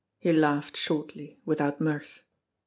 He laughed shortly, without mirth.